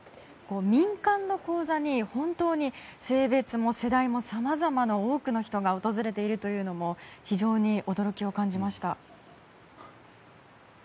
民間の講座に、性別も世代もさまざまな多くの人が訪れているというのも非常に驚きを感じました。